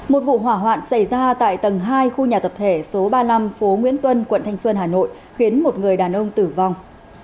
một vụ hỏa hoạn xảy ra tại tầng hai khu nhà tập thể số ba mươi năm phố nguyễn tuân quận thanh xuân hà nội khiến một người đàn ông tử vong